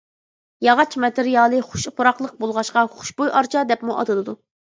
ياغاچ ماتېرىيالى خۇش پۇراقلىق بولغاچقا، «خۇشبۇي ئارچا» دەپمۇ ئاتىلىدۇ.